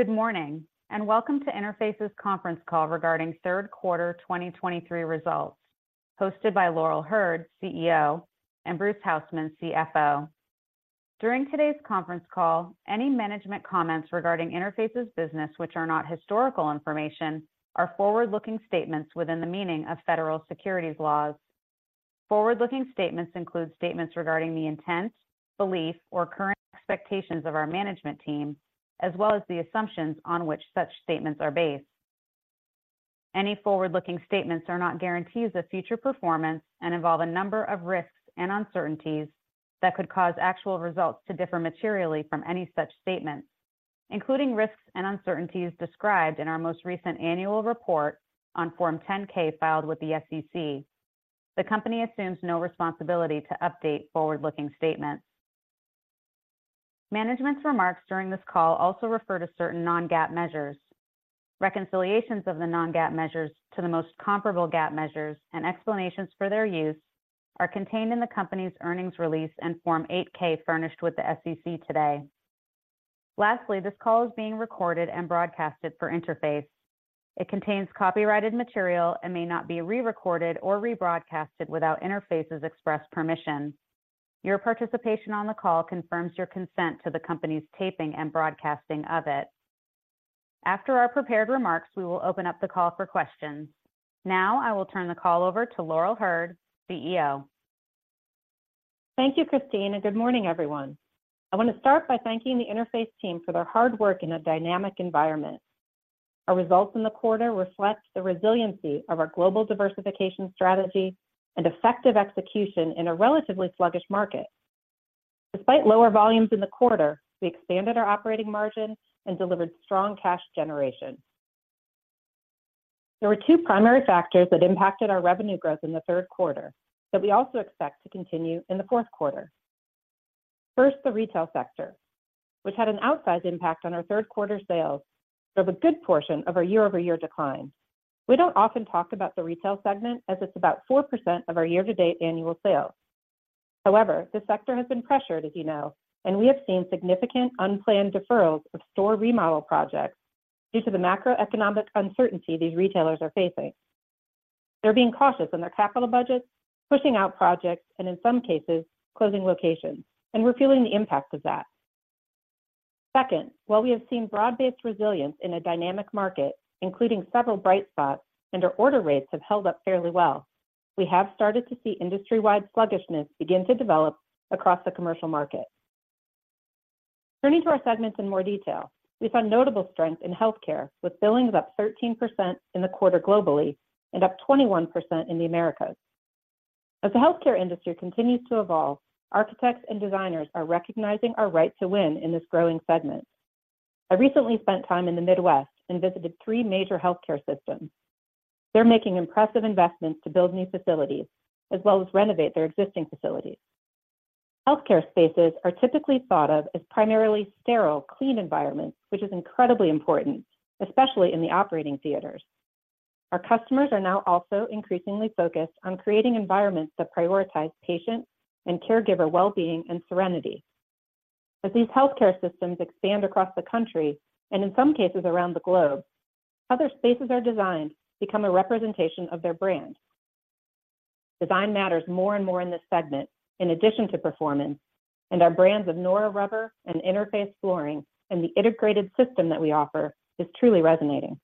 Good morning, and welcome to Interface's conference call regarding third quarter 2023 results, hosted by Laurel Hurd, CEO, and Bruce Hausmann, CFO. During today's conference call, any management comments regarding Interface's business, which are not historical information, are forward-looking statements within the meaning of federal securities laws. Forward-looking statements include statements regarding the intent, belief, or current expectations of our management team, as well as the assumptions on which such statements are based. Any forward-looking statements are not guarantees of future performance and involve a number of risks and uncertainties that could cause actual results to differ materially from any such statements, including risks and uncertainties described in our most recent annual report on Form 10-K filed with the SEC. The company assumes no responsibility to update forward-looking statements. Management's remarks during this call also refer to certain non-GAAP measures. Reconciliations of the non-GAAP measures to the most comparable GAAP measures and explanations for their use are contained in the company's earnings release and Form 8-K furnished with the SEC today. Lastly, this call is being recorded and broadcasted for Interface. It contains copyrighted material and may not be re-recorded or rebroadcasted without Interface's express permission. Your participation on the call confirms your consent to the company's taping and broadcasting of it. After our prepared remarks, we will open up the call for questions. Now, I will turn the call over to Laurel Hurd, CEO. Thank you, Christine, and good morning, everyone. I want to start by thanking the Interface team for their hard work in a dynamic environment. Our results in the quarter reflect the resiliency of our global diversification strategy and effective execution in a relatively sluggish market. Despite lower volumes in the quarter, we expanded our operating margin and delivered strong cash generation. There were two primary factors that impacted our revenue growth in the third quarter, that we also expect to continue in the fourth quarter. First, the retail sector, which had an outsized impact on our third quarter sales, drove a good portion of our year-over-year decline. We don't often talk about the retail segment as it's about 4% of our year-to-date annual sales. However, this sector has been pressured, as you know, and we have seen significant unplanned deferrals of store remodel projects due to the macroeconomic uncertainty these retailers are facing. They're being cautious in their capital budgets, pushing out projects, and in some cases, closing locations, and we're feeling the impact of that. Second, while we have seen broad-based resilience in a dynamic market, including several bright spots, and our order rates have held up fairly well, we have started to see industry-wide sluggishness begin to develop across the commercial market. Turning to our segments in more detail, we saw notable strength in healthcare, with billings up 13% in the quarter globally and up 21% in the Americas. As the healthcare industry continues to evolve, architects and designers are recognizing our right to win in this growing segment. I recently spent time in the Midwest and visited three major healthcare systems. They're making impressive investments to build new facilities, as well as renovate their existing facilities. Healthcare spaces are typically thought of as primarily sterile, clean environments, which is incredibly important, especially in the operating theaters. Our customers are now also increasingly focused on creating environments that prioritize patient and caregiver well-being and serenity. As these healthcare systems expand across the country, and in some cases around the globe, how their spaces are designed become a representation of their brand. Design matters more and more in this segment, in addition to performance, and our brands of nora rubber and Interface flooring, and the integrated system that we offer, is truly resonating.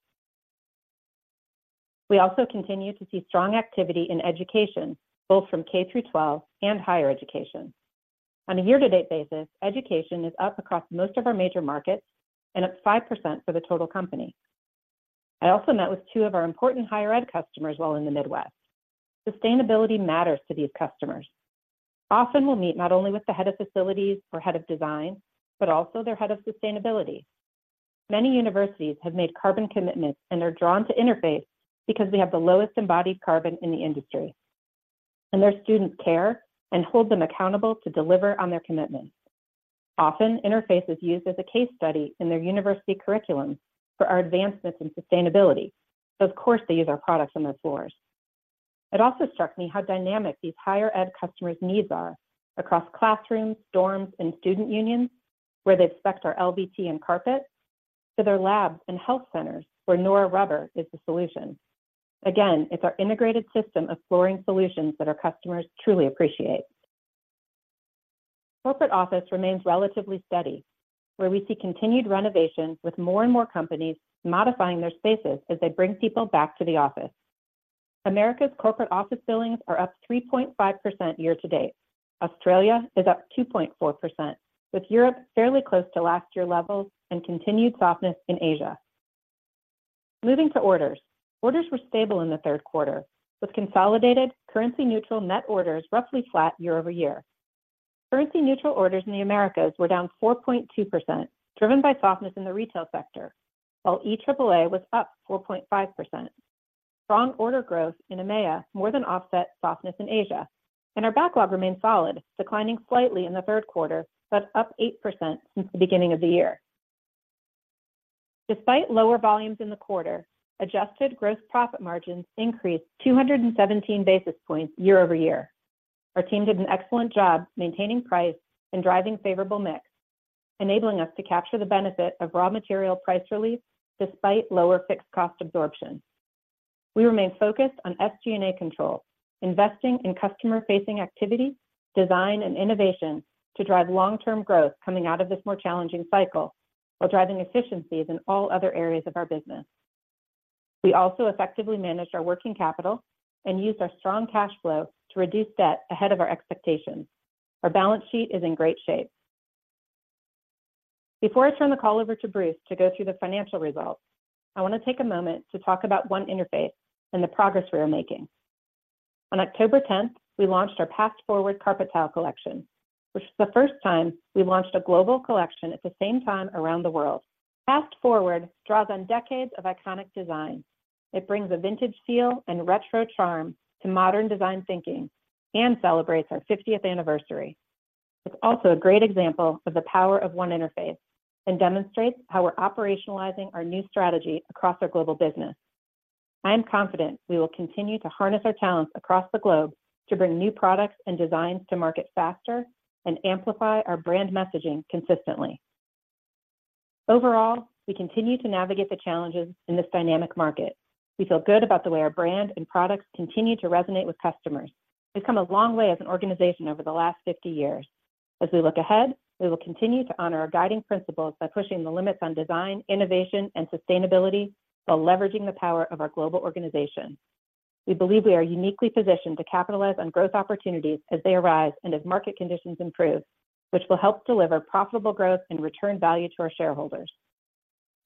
We also continue to see strong activity in education, both from K through 12 and higher education. On a year-to-date basis, education is up across most of our major markets and up 5% for the total company. I also met with two of our important higher ed customers while in the Midwest. Sustainability matters to these customers. Often, we'll meet not only with the head of facilities or head of design, but also their head of sustainability. Many universities have made carbon commitments and are drawn to Interface because we have the lowest embodied carbon in the industry, and their students care and hold them accountable to deliver on their commitments. Often, Interface is used as a case study in their university curriculum for our advancements in sustainability. So of course, they use our products on their floors. It also struck me how dynamic these higher ed customers' needs are across classrooms, dorms, and student unions, where they spec our LVT and carpet, to their labs and health centers, where nora rubber is the solution. Again, it's our integrated system of flooring solutions that our customers truly appreciate. Corporate office remains relatively steady, where we see continued renovation, with more and more companies modifying their spaces as they bring people back to the office. Americas corporate office billings are up 3.5% year to date. Australia is up 2.4%, with Europe fairly close to last year's levels and continued softness in Asia. Moving to orders. Orders were stable in the third quarter, with consolidated currency-neutral net orders roughly flat year-over-year. Currency-neutral orders in the Americas were down 4.2%, driven by softness in the retail sector, while EAAA was up 4.5%. Strong order growth in EMEA more than offset softness in Asia, and our backlog remains solid, declining slightly in the third quarter, but up 8% since the beginning of the year. Despite lower volumes in the quarter, adjusted gross profit margins increased 217 basis points year-over-year. Our team did an excellent job maintaining price and driving favorable mix, enabling us to capture the benefit of raw material price relief despite lower fixed cost absorption. We remain focused on SG&A control, investing in customer-facing activities, design, and innovation to drive long-term growth coming out of this more challenging cycle, while driving efficiencies in all other areas of our business. We also effectively managed our working capital and used our strong cash flow to reduce debt ahead of our expectations. Our balance sheet is in great shape. Before I turn the call over to Bruce to go through the financial results, I want to take a moment to talk about One Interface and the progress we are making. On October tenth, we launched our Past Forward carpet tile collection, which is the first time we've launched a global collection at the same time around the world. Past Forward draws on decades of iconic design. It brings a vintage feel and retro charm to modern design thinking and celebrates our fiftieth anniversary. It's also a great example of the power of One Interface and demonstrates how we're operationalizing our new strategy across our global business. I am confident we will continue to harness our talents across the globe to bring new products and designs to market faster and amplify our brand messaging consistently. Overall, we continue to navigate the challenges in this dynamic market. We feel good about the way our brand and products continue to resonate with customers. We've come a long way as an organization over the last 50 years. As we look ahead, we will continue to honor our guiding principles by pushing the limits on design, innovation, and sustainability, while leveraging the power of our global organization. We believe we are uniquely positioned to capitalize on growth opportunities as they arise and as market conditions improve, which will help deliver profitable growth and return value to our shareholders.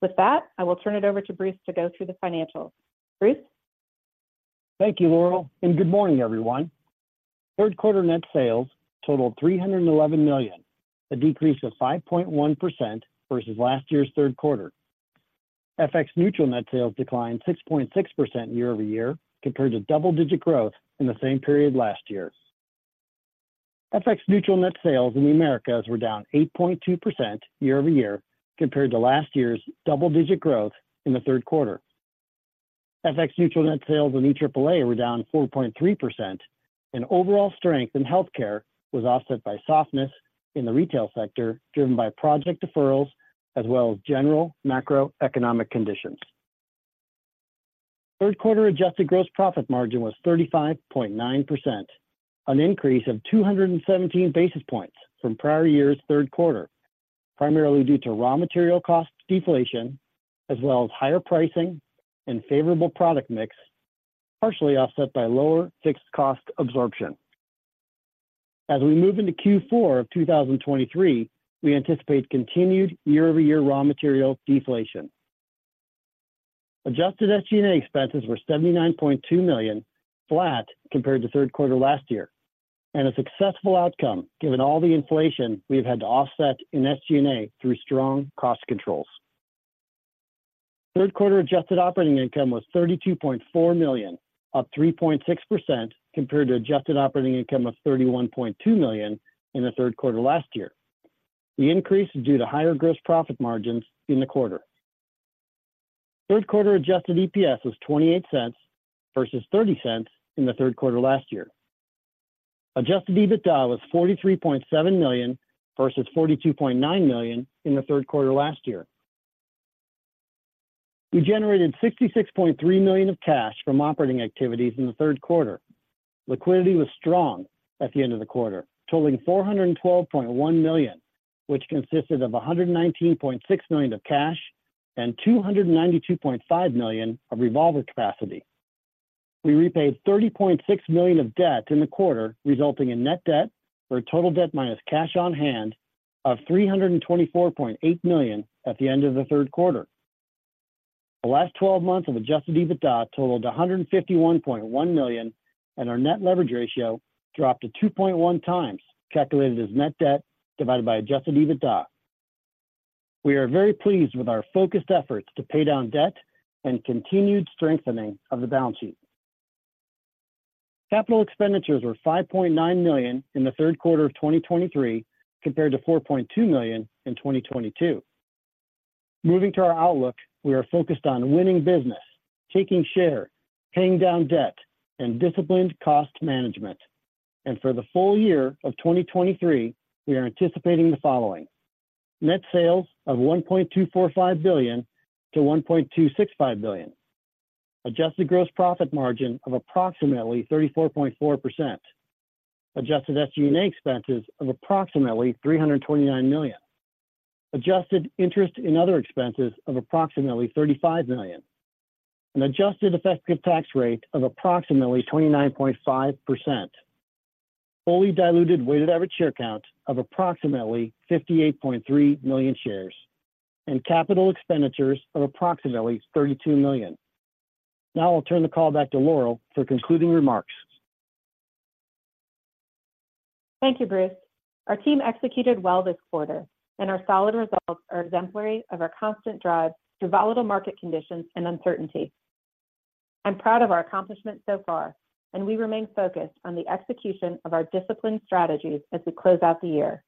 With that, I will turn it over to Bruce to go through the financials. Bruce? Thank you, Laurel, and good morning, everyone. Third quarter net sales totaled $311 million, a decrease of 5.1% versus last year's third quarter. FX neutral net sales declined 6.6% year-over-year, compared to double-digit growth in the same period last year. FX neutral net sales in the Americas were down 8.2% year-over-year compared to last year's double-digit growth in the third quarter. FX neutral net sales in EAAA were down 4.3%, and overall strength in healthcare was offset by softness in the retail sector, driven by project deferrals as well as general macroeconomic conditions. Third quarter adjusted gross profit margin was 35.9%, an increase of 217 basis points from prior year's third quarter, primarily due to raw material cost deflation, as well as higher pricing and favorable product mix, partially offset by lower fixed cost absorption. As we move into Q4 of 2023, we anticipate continued year-over-year raw material deflation. Adjusted SG&A expenses were $79.2 million, flat compared to third quarter last year, and a successful outcome given all the inflation we've had to offset in SG&A through strong cost controls. Third quarter adjusted operating income was $32.4 million, up 3.6% compared to adjusted operating income of $31.2 million in the third quarter last year. The increase is due to higher gross profit margins in the quarter. Third quarter adjusted EPS was $0.28 versus $0.30 in the third quarter last year. Adjusted EBITDA was $43.7 million versus $42.9 million in the third quarter last year. We generated $66.3 million of cash from operating activities in the third quarter. Liquidity was strong at the end of the quarter, totaling $412.1 million, which consisted of $119.6 million of cash and $292.5 million of revolver capacity. We repaid $30.6 million of debt in the quarter, resulting in net debt, or total debt minus cash on hand, of $324.8 million at the end of the third quarter. The last twelve months of Adjusted EBITDA totaled $151.1 million, and our Net Leverage Ratio dropped to 2.1 times, calculated as net debt divided by Adjusted EBITDA. We are very pleased with our focused efforts to pay down debt and continued strengthening of the balance sheet. Capital expenditures were $5.9 million in the third quarter of 2023, compared to $4.2 million in 2022. Moving to our outlook, we are focused on winning business, taking share, paying down debt, and disciplined cost management. For the full year of 2023, we are anticipating the following: net sales of $1.245 billion-$1.265 billion, adjusted gross profit margin of approximately 34.4%, adjusted SG&A expenses of approximately $329 million, adjusted interest and other expenses of approximately $35 million, an adjusted effective tax rate of approximately 29.5%, fully diluted weighted average share count of approximately 58.3 million shares, and capital expenditures of approximately $32 million. Now I'll turn the call back to Laurel for concluding remarks. Thank you, Bruce. Our team executed well this quarter, and our solid results are exemplary of our constant drive through volatile market conditions and uncertainty. I'm proud of our accomplishments so far, and we remain focused on the execution of our disciplined strategies as we close out the year.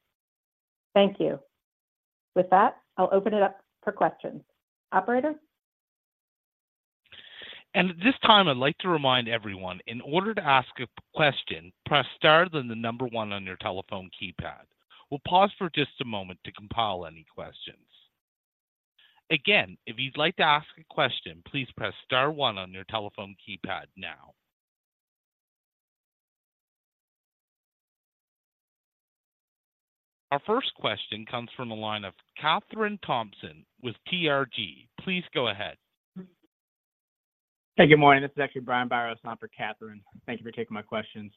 Thank you. With that, I'll open it up for questions. Operator?... At this time, I'd like to remind everyone, in order to ask a question, press Star, then the number one on your telephone keypad. We'll pause for just a moment to compile any questions. Again, if you'd like to ask a question, please press Star one on your telephone keypad now. Our first question comes from the line of Kathryn Thompson with TRG. Please go ahead. Hey, good morning. This is actually Brian Biros in for Kathryn. Thank you for taking my questions.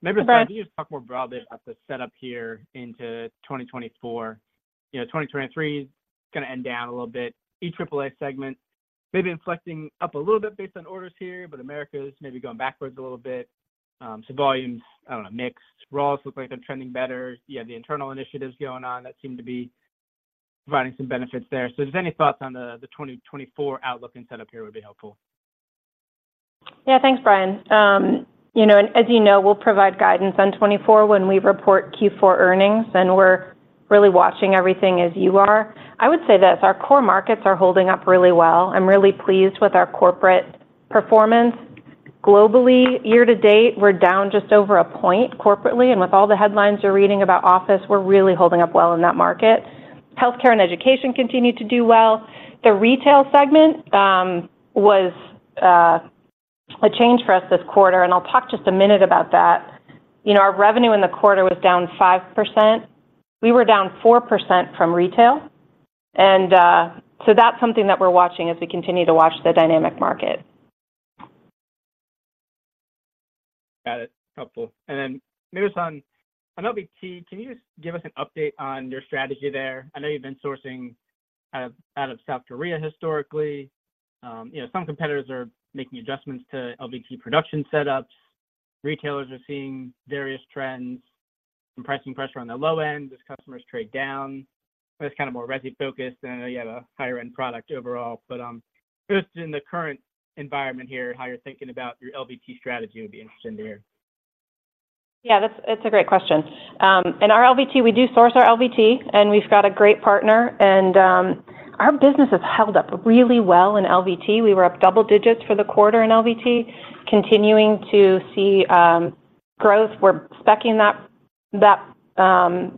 Maybe can you just talk more broadly about the setup here into 2024? You know, 2023 is gonna end down a little bit. EAAA segment maybe inflecting up a little bit based on orders here, but Americas is maybe going backwards a little bit. So volumes, I don't know, mixed. Raw looks like they're trending better. You have the internal initiatives going on that seem to be providing some benefits there. So just any thoughts on the 2024 outlook and setup here would be helpful. Yeah. Thanks, Brian. You know, as you know, we'll provide guidance on 2024 when we report Q4 earnings, and we're really watching everything as you are. I would say this, our core markets are holding up really well. I'm really pleased with our corporate performance. Globally, year to date, we're down just over 1% corporately, and with all the headlines you're reading about office, we're really holding up well in that market. Healthcare and education continue to do well. The retail segment was a change for us this quarter, and I'll talk just a minute about that. You know, our revenue in the quarter was down 5%. We were down 4% from retail, and so that's something that we're watching as we continue to watch the dynamic market. Got it. Helpful. And then maybe just on LVT, can you just give us an update on your strategy there? I know you've been sourcing out of South Korea historically. You know, some competitors are making adjustments to LVT production setups. Retailers are seeing various trends, some pricing pressure on the low end as customers trade down. It's kinda more resi focused, and I know you have a higher end product overall, but just in the current environment here, how you're thinking about your LVT strategy, would be interesting to hear. Yeah, that's - it's a great question. In our LVT, we do source our LVT, and we've got a great partner, and our business has held up really well in LVT. We were up double digits for the quarter in LVT, continuing to see growth. We're specking that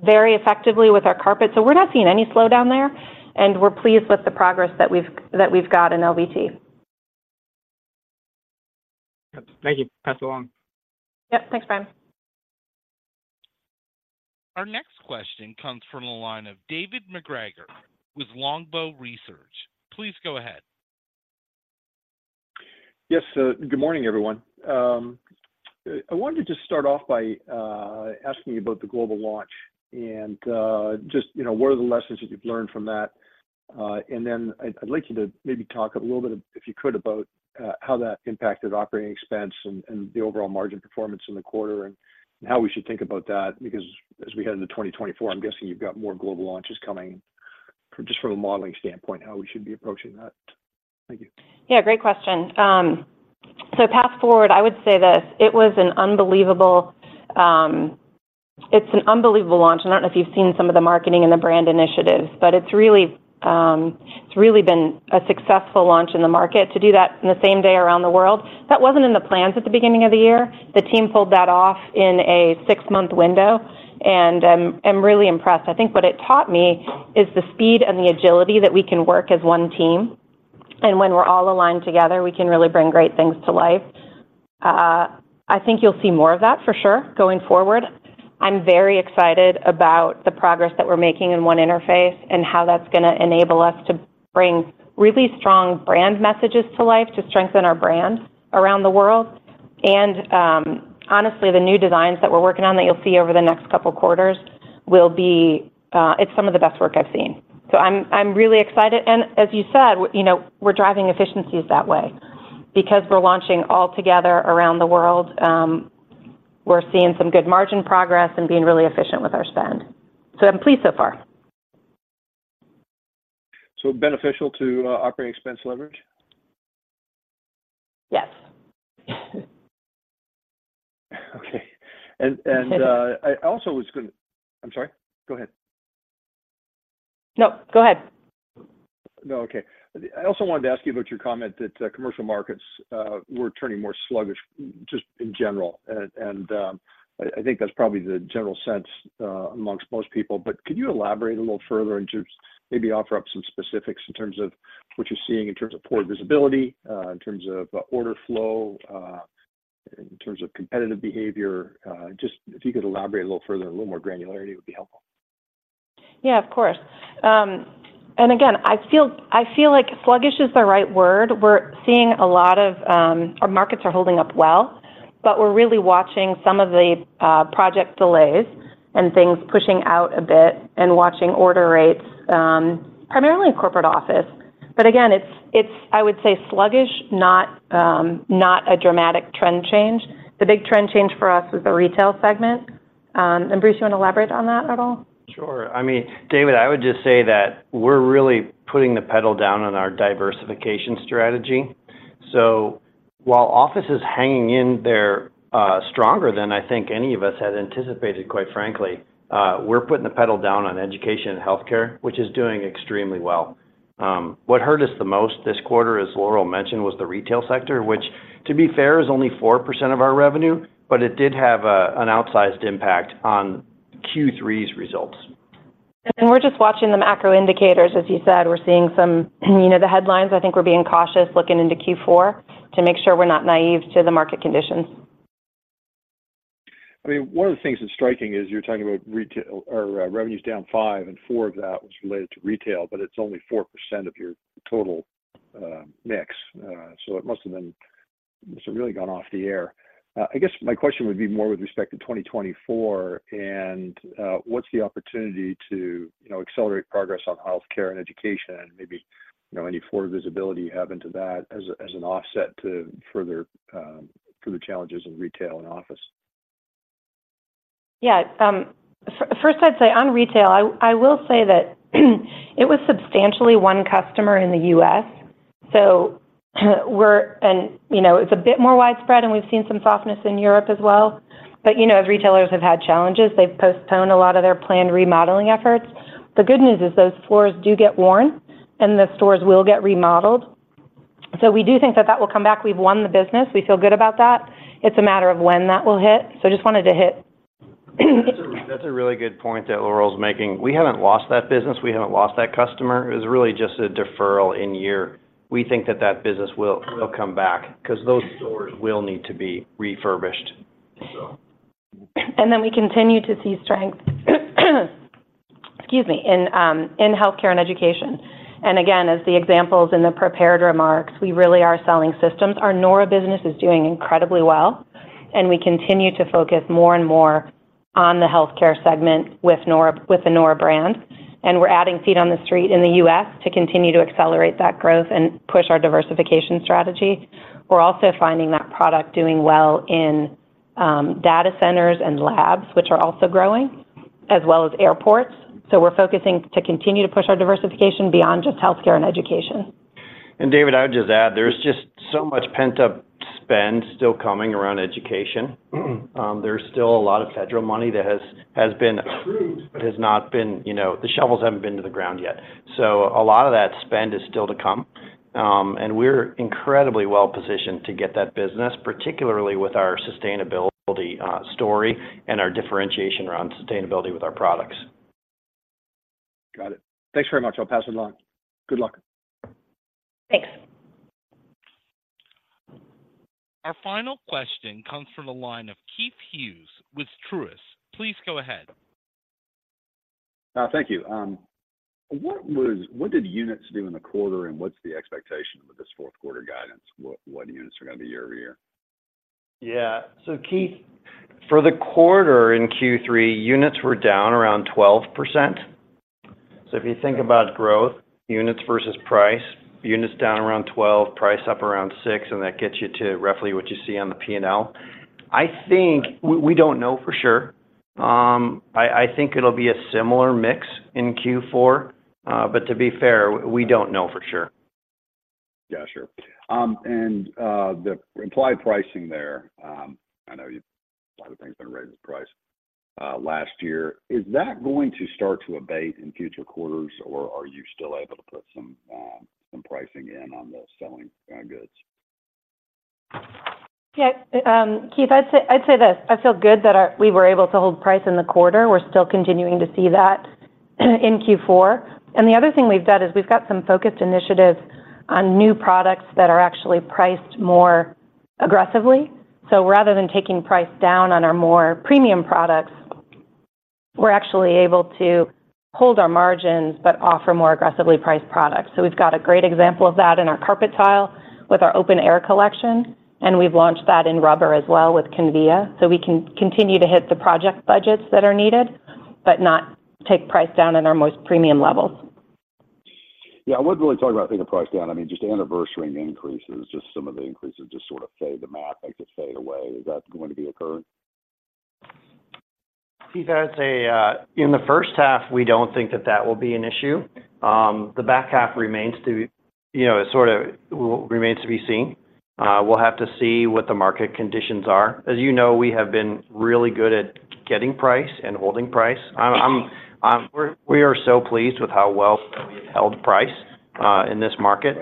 very effectively with our carpet, so we're not seeing any slowdown there, and we're pleased with the progress that we've got in LVT. Thank you. Pass it along. Yep. Thanks, Brian. Our next question comes from the line of David MacGregor with Longbow Research. Please go ahead. Yes, good morning, everyone. I wanted to just start off by asking you about the global launch and, just, you know, what are the lessons that you've learned from that? And then I'd, I'd like you to maybe talk a little bit, if you could, about how that impacted operating expense and the overall margin performance in the quarter, and how we should think about that. Because as we head into 2024, I'm guessing you've got more global launches coming. Just from a modeling standpoint, how we should be approaching that. Thank you. Yeah, great question. So Past Forward, I would say this: it was an unbelievable—it's an unbelievable launch. I don't know if you've seen some of the marketing and the brand initiatives, but it's really, it's really been a successful launch in the market. To do that in the same day around the world, that wasn't in the plans at the beginning of the year. The team pulled that off in a six-month window, and I'm really impressed. I think what it taught me is the speed and the agility that we can work as one team, and when we're all aligned together, we can really bring great things to life. I think you'll see more of that for sure, going forward. I'm very excited about the progress that we're making in One Interface and how that's gonna enable us to bring really strong brand messages to life, to strengthen our brand around the world. And, honestly, the new designs that we're working on that you'll see over the next couple of quarters will be, it's some of the best work I've seen. So I'm, I'm really excited, and as you said, you know, we're driving efficiencies that way. Because we're launching all together around the world, we're seeing some good margin progress and being really efficient with our spend. So I'm pleased so far. So beneficial to, operating expense leverage? Yes. Okay. I also was gonna - I'm sorry. Go ahead. No, go ahead. No. Okay. I also wanted to ask you about your comment that commercial markets were turning more sluggish, just in general. And I think that's probably the general sense amongst most people. But could you elaborate a little further and just maybe offer up some specifics in terms of what you're seeing in terms of poor visibility, in terms of order flow, in terms of competitive behavior? Just if you could elaborate a little further, a little more granularity would be helpful. Yeah, of course. And again, I feel, I feel like sluggish is the right word. We're seeing a lot of. Our markets are holding up well, but we're really watching some of the project delays and things pushing out a bit and watching order rates, primarily in corporate office. But again, it's, it's, I would say, sluggish, not, not a dramatic trend change. The big trend change for us was the retail segment. And, Bruce, you want to elaborate on that at all? Sure. I mean, David, I would just say that we're really putting the pedal down on our diversification strategy. So-... While office is hanging in there, stronger than I think any of us had anticipated, quite frankly, we're putting the pedal down on education and healthcare, which is doing extremely well. What hurt us the most this quarter, as Laurel mentioned, was the retail sector, which, to be fair, is only 4% of our revenue, but it did have a, an outsized impact on Q3's results. We're just watching the macro indicators, as you said, we're seeing some, you know, the headlines. I think we're being cautious looking into Q4 to make sure we're not naive to the market conditions. I mean, one of the things that's striking is you're talking about retail - or, revenues down 5, and 4 of that was related to retail, but it's only 4% of your total mix, so it must have been - it's really gone off the air. I guess my question would be more with respect to 2024, and, what's the opportunity to, you know, accelerate progress on healthcare and education, and maybe, you know, any forward visibility you have into that as, as an offset to further, through the challenges of retail and office? Yeah. First, I'd say on retail, I will say that it was substantially one customer in the U.S., so and you know, it's a bit more widespread, and we've seen some softness in Europe as well. But you know, as retailers have had challenges, they've postponed a lot of their planned remodeling efforts. The good news is those floors do get worn, and the stores will get remodeled. So we do think that that will come back. We've won the business. We feel good about that. It's a matter of when that will hit, so just wanted to hit. That's a really good point that Laurel's making. We haven't lost that business, we haven't lost that customer. It's really just a deferral in year. We think that business will come back 'cause those stores will need to be refurbished, so... And then we continue to see strength, excuse me, in healthcare and education. And again, as the examples in the prepared remarks, we really are selling systems. Our nora business is doing incredibly well, and we continue to focus more and more on the healthcare segment with nora with the nora brand. And we're adding feet on the street in the U.S. to continue to accelerate that growth and push our diversification strategy. We're also finding that product doing well in data centers and labs, which are also growing, as well as airports. So we're focusing to continue to push our diversification beyond just healthcare and education. And David, I would just add, there's just so much pent-up spend still coming around education. There's still a lot of federal money that has been approved, but has not been, you know, the shovels haven't been to the ground yet. So a lot of that spend is still to come, and we're incredibly well positioned to get that business, particularly with our sustainability story and our differentiation around sustainability with our products. Got it. Thanks very much. I'll pass it along. Good luck. Thanks. Our final question comes from the line of Keith Hughes with Truist. Please go ahead. Thank you. What did units do in the quarter, and what's the expectation with this fourth quarter guidance? What units are going to be year-over-year? Yeah. So Keith, for the quarter in Q3, units were down around 12%. So if you think about growth, units versus price, units down around 12, price up around 6%, and that gets you to roughly what you see on the P&L. I think we don't know for sure. I think it'll be a similar mix in Q4, but to be fair, we don't know for sure. Yeah, sure. And the implied pricing there, I know you—a lot of things been raised in price last year. Is that going to start to abate in future quarters, or are you still able to put some some pricing in on the selling goods? Yeah, Keith, I'd say this: I feel good that we were able to hold price in the quarter. We're still continuing to see that in Q4. And the other thing we've done is we've got some focused initiatives on new products that are actually priced more aggressively. So rather than taking price down on our more premium products, we're actually able to hold our margins, but offer more aggressively priced products. So we've got a great example of that in our carpet tile with our Open Air collection, and we've launched that in rubber as well with Convia. So we can continue to hit the project budgets that are needed, but not take price down in our most premium levels. Yeah, I wouldn't really talk about taking the price down. I mean, just anniversarying increases, just some of the increases just sort of fade to math, I guess, fade away. Is that going to be occurring? Keith, I'd say, in the first half, we don't think that that will be an issue. The back half, you know, sort of remains to be seen. We'll have to see what the market conditions are. As you know, we have been really good at getting price and holding price. We are so pleased with how well we've held price in this market.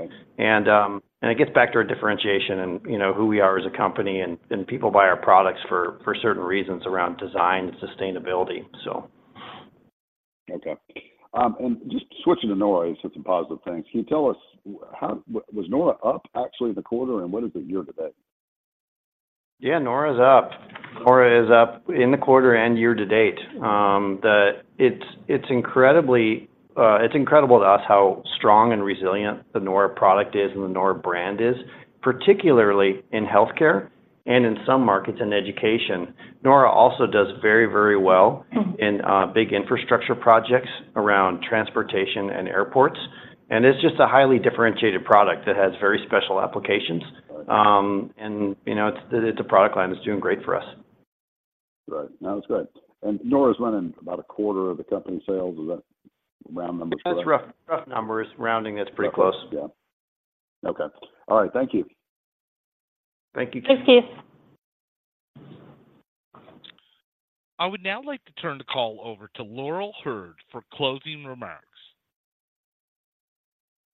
And it gets back to our differentiation and, you know, who we are as a company, and people buy our products for certain reasons around design and sustainability, so. Okay. And just switching to nora, it's some positive things. Can you tell us how was nora up actually in the quarter, and what is it year to date? Yeah, Nora is up. Nora is up in the quarter and year to date. It's incredible to us how strong and resilient the Nora product is and the Nora brand is, particularly in healthcare and in some markets in education. Nora also does very, very well- Mm-hmm... in big infrastructure projects around transportation and airports. It's just a highly differentiated product that has very special applications. Okay. You know, it's a product line that's doing great for us. Right. No, it's good. And Nora's running about a quarter of the company's sales, is that round number correct? That's rough, rough numbers. Rounding, that's pretty close. Yeah. Okay. All right, thank you. Thank you. Thanks, Keith. I would now like to turn the call over to Laurel Hurd for closing remarks.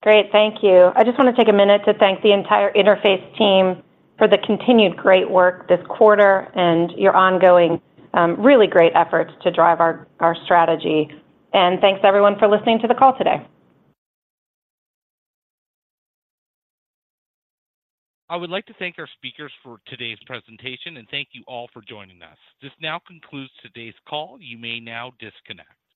Great, thank you. I just want to take a minute to thank the entire Interface team for the continued great work this quarter, and your ongoing, really great efforts to drive our strategy. Thanks, everyone, for listening to the call today. I would like to thank our speakers for today's presentation, and thank you all for joining us. This now concludes today's call. You may now disconnect.